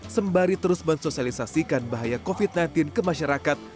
sembari terus mensosialisasikan bahaya covid sembilan belas ke masyarakat